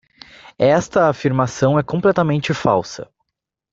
Esta afirmação é completamente falsa.